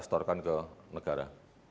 storkan ke negara